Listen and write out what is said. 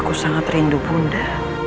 aku sangat rindu ibu munda